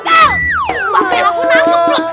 bapak yang aku nangkep